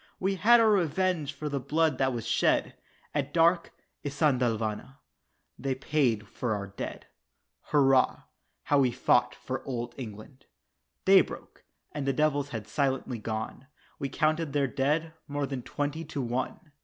We had our revenge for the blood that was shed, At dark "Isandhlwana" they paid for our dead. "Hurrah, how we fought for Old England." Day broke, and the devils had silently gone, We counted their dead, more than twenty to one!